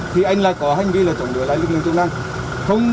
thì anh lại có hành vi là chống đối lại lực lượng chức năng